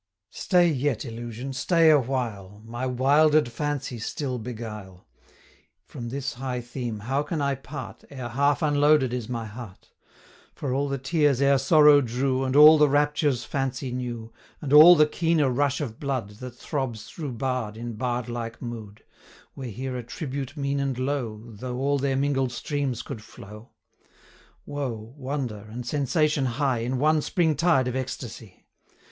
Stay yet, illusion, stay a while, My wilder'd fancy still beguile! From this high theme how can I part, Ere half unloaded is my heart! For all the tears e'er sorrow drew, 210 And all the raptures fancy knew, And all the keener rush of blood, That throbs through bard in bard like mood, Were here a tribute mean and low, Though all their mingled streams could flow 215 Woe, wonder, and sensation high, In one spring tide of ecstasy!